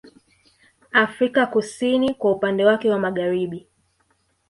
Afrika kusini kwa upande wake wa magharibi